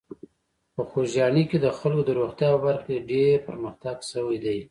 په خوږیاڼي کې د خلکو د روغتیا په برخه کې ډېر پرمختګ شوی دی.